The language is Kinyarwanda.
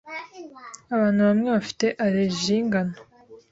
Abantu bamwe bafite allergie yingano.